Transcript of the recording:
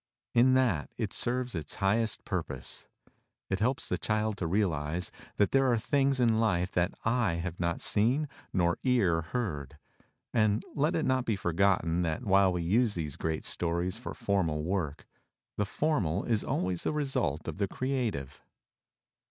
In that it serves its highest purpose. It helps the child to realize that there are things in life that eye have not seen nor ear heard, and let it not be forgotten that while we use these great stories for formal work, the formal is always the result of the creative.